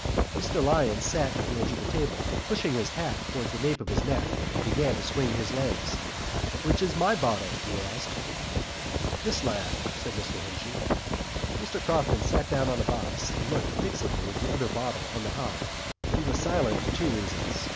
Mr Lyons sat on the edge of the table, pushed his hat towards the nape of his neck and began to swing his legs. "Which is my bottle?" he asked. "This lad," said Mr Henchy. Mr Crofton sat down on a box and looked fixedly at the other bottle on the hob. He was silent for two reasons.